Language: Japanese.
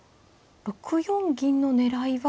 ６四銀の狙いは。